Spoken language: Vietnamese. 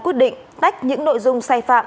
quyết định tách những nội dung sai phạm